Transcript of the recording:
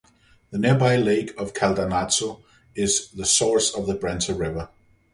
The nearby Lake of Caldonazzo is the source of the Brenta River.